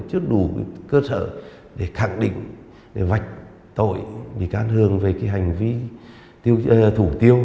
chưa đủ cơ sở để khẳng định để vạch tội bị can hường về cái hành vi thủ tiêu